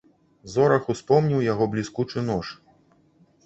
Зорах успомніў яго бліскучы нож.